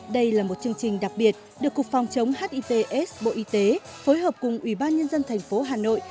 đây là một chương trình đặc biệt được cục phòng chống hivs bộ y tế phối hợp cùng ủy ban nhân dân thành phố hà nội